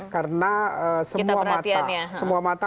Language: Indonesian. karena semua mata